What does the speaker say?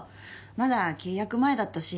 まだ契約前だったし